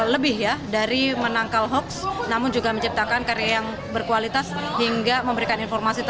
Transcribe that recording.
lebih ya dari menangkal hoax namun juga menciptakan karya yang berkualitas hingga memberikan informasi